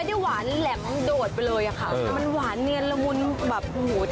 อืมปุ๊บ